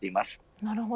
なるほど。